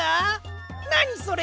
なにそれ！